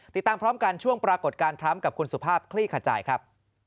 ติดตามพร้อมกันช่วงปรากฏการณ์พร้อมกับคุณสุภาพคลี่ขจายครับ